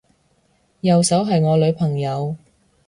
右手係我女朋友